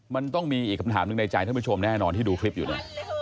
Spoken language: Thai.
มันต้องมีอีกคำถามหนึ่งในใจท่านผู้ชมแน่นอนที่ดูคลิปอยู่เนี่ย